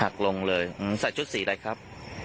ลงเลยใส่ชุดสีอะไรครับ